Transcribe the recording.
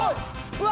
うわ！